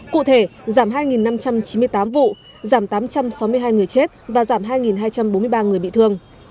cụ thể giảm hai năm trăm chín mươi tám vụ giảm tám trăm sáu mươi hai người chết và giảm hai hai trăm bốn mươi ba người bị thương